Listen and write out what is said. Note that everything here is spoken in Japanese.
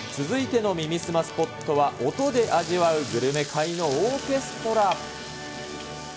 続いての耳すまスポットは、音で味わうグルメ界のオーケストラ。